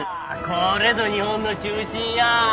これぞ日本の中心や。